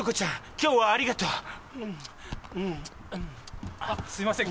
今日はありがとうあっすいません